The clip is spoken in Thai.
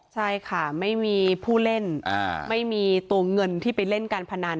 ใช่ค่ะไม่มีผู้เล่นไม่มีตัวเงินที่ไปเล่นการพนัน